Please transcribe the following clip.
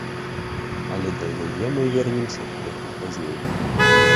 Але да яе мы вернемся крыху пазней.